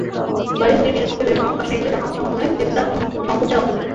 বাইরের লোকের ভিড়ের মধ্যে বেরোনো অভ্যেস নেই বলে জনসমাগমে যেতে তার সংকোচের অন্ত নেই।